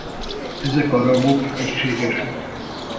Ezek a ragok egységesek.